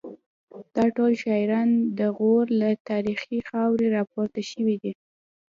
دا ټول شاعران د غور له تاریخي خاورې راپورته شوي دي